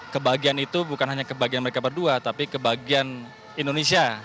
kebahagiaan itu bukan hanya kebahagiaan mereka berdua tapi kebahagiaan indonesia